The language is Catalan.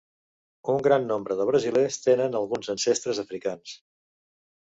Un gran nombre de brasilers tenen alguns ancestres africans.